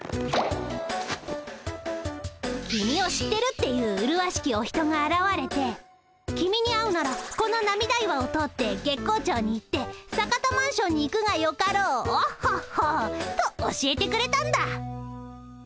君を知ってるっていううるわしきお人があらわれて君に会うならこの涙岩を通って月光町に行って坂田マンションに行くがよかろうオッホッホッと教えてくれたんだ。